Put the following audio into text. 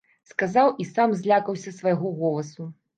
Сказаў і сам злякаўся свайго голасу.